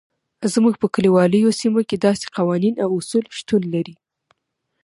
زموږ په کلیوالو سیمو کې داسې قوانین او اصول شتون لري.